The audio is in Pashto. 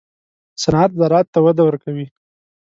صنعت زراعت ته وده ورکوي